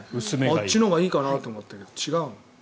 あっちのほうがいいかなと思ったけど違うんだ。